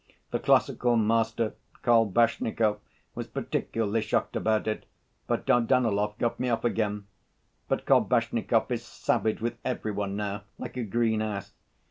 The classical master, Kolbasnikov, was particularly shocked about it, but Dardanelov got me off again. But Kolbasnikov is savage with every one now like a green ass.